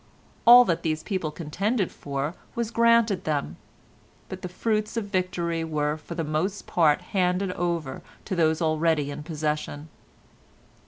All that these people contended for was granted them, but the fruits of victory were for the most part handed over to those already in possession.